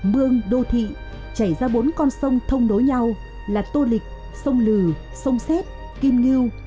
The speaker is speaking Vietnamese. mương đô thị chảy ra bốn con sông thông đối nhau là tô lịch sông lừ sông xét kim ngưu